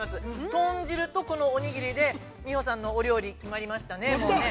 豚汁と、このおにぎりで美穂さんのお料理決まりましたね、もうね。